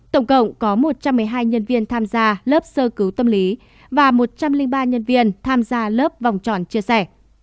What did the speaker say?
tổng cộng có một trăm một mươi hai nhân viên tham gia lớp sơ cứu tâm lý và một trăm linh ba nhân viên tham gia lớp vòng tròn chia sẻ